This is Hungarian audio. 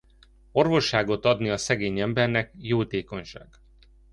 Orvosságot adni a szegény embernek jótékonyság.